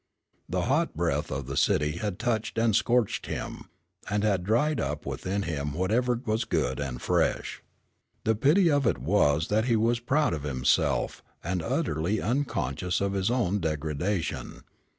The hot breath of the city had touched and scorched him, and had dried up within him whatever was good and fresh. The pity of it was that he was proud of himself, and utterly unconscious of his own degradation.